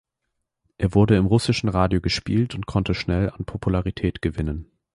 Er wurde im russischen Radio gespielt und konnte schnell an Popularität gewinnen.